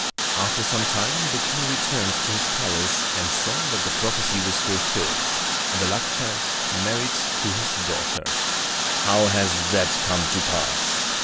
After some time the King returned to his palace and saw that the prophecy was fulfilled, and the luck child married to his daughter. "How has that come to pass?"